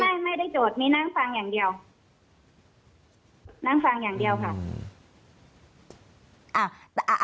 ไม่ได้ไม่ได้โจทย์มีนั่งฟังอย่างเดียวนั่งฟังอย่างเดียวค่ะ